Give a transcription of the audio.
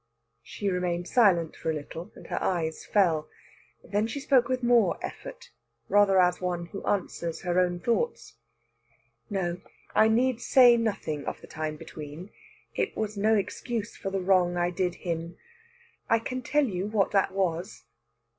She remained silent for a little, and her eyes fell. Then she spoke with more effort, rather as one who answers her own thoughts. "No, I need say nothing of the time between. It was no excuse for the wrong I did him. I can tell you what that was...."